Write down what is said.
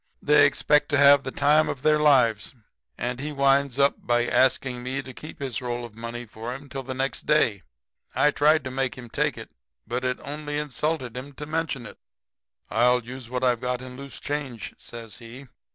They expect to have the time of their lives, and he winds up by asking me to keep his roll of money for him till next day. I tried to make him take it, but it only insulted him to mention it. "'I'll use what I've got in loose change,' says he.